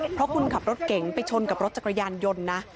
เพราะคุณขับรถเก่งไปชนกับรถจักรยานยนต์นะ